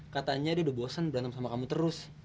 katanya dia udah bosen berantem sama kamu terus